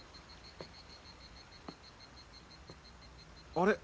あれ？